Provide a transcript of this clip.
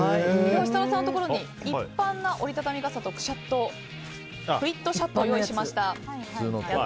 設楽さんのところに一般な折り畳み傘とクイックシャットを用意しました。